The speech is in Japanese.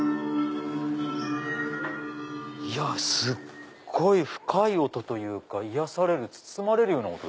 いやすっごい深い音というか癒やされる包まれるような音。